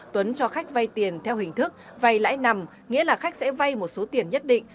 tuấn cho khách vay tiền theo hình thức vay lãi nằm nghĩa là khách sẽ vay một số tiền nhất định